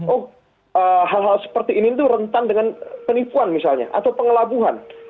oh hal hal seperti ini itu rentan dengan penipuan misalnya atau pengelabuhan